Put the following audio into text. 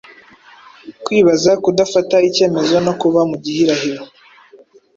Kwibaza, kudafata icyemezo no kuba mu gihirahiro